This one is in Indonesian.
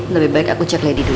lebih baik aku cek lady dulu